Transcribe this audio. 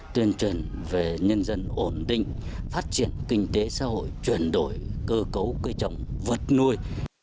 tuyên truyền về nhân dân ổn định phát triển kinh tế xã hội chuyển đổi cơ cấu cây trồng vật nuôi